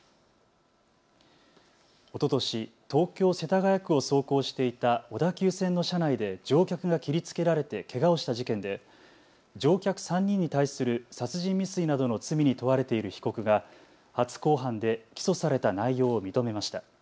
おととし東京世田谷区を走行していた小田急線の車内で乗客が切りつけられてけがをした事件で乗客３人に対する殺人未遂などの罪に問われている被告が初公判で起訴された内容を認めました。